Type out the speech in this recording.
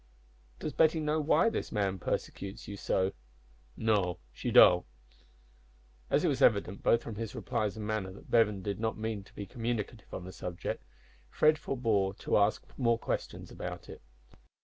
"Does Betty know why this man persecutes you so?" "No she don't." As it was evident, both from his replies and manner, that Bevan did not mean to be communicative on the subject, Fred forbore to ask more questions about it.